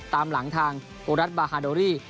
ตามหลังทางอุรัสบาฮาโดรี่